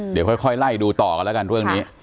เดี๋ยวค่อยไล่ดูต่อกันแล้วกันเรื่องนี้